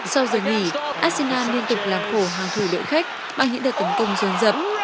sau giới nghỉ arsenal liên tục làm khổ hàng thủ đội khách bằng những đợt tấn công dồn dập